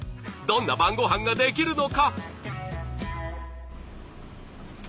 どんな晩ごはんができるのか？